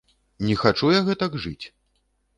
Не хачу я гэтак жыць!